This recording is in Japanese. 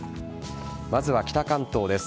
まずは北関東です。